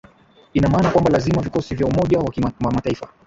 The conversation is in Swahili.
ina maana kwamba lazima vikosi vya vya umoja wa mataifa